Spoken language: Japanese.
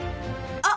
あっ！